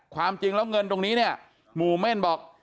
ความจริงแล้วเงินตรงนี้เนี่ยหมู่เม่นบอก